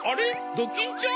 ドキンちゃん。